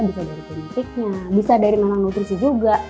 bisa dari genetiknya bisa dari manak nutrisi juga